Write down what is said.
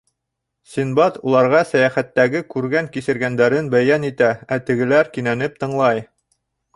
Синдбад уларға сәйәхәттәге күргән-кисергәндәрен бәйән итә, ә тегеләр кинәнеп тыңлай.